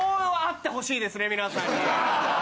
皆さんに。